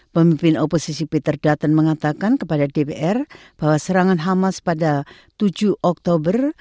pemimpin oposisi peter dutton mengatakan kepada dpr bahwa serangan hamas pada tujuh oktober